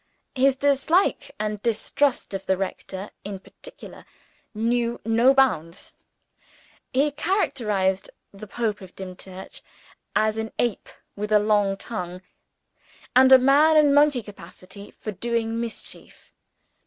His dislike and distrust of the rector, in particular, knew no bounds: he characterized the Pope of Dimchurch as an Ape with a long tongue, and a man and monkey capacity for doing mischief.